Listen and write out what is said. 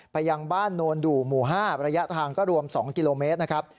ยังบ้านโนนดู่หมู่๕ระยะทางก็รวม๒กิโลเมตรนะครับ